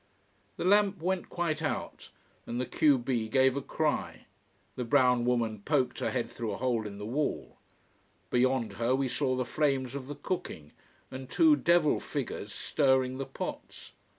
The lamp went quite out, and the q b gave a cry. The brown woman poked her head through a hole in the wall. Beyond her we saw the flames of the cooking, and two devil figures stirring the pots.